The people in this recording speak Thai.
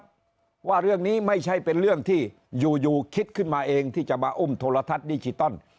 เพราะว่าเรื่องนี้ไม่ใช่เป็นเรื่องที่อยู่คิดขึ้นมาเองที่จะมาอุ้มโทรทัศน์ดิจิตอล